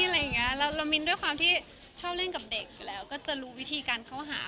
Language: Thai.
เรามิ้นด้วยความที่ชอบเล่นกับเด็กอยู่แล้วก็จะรู้วิธีการเข้าหา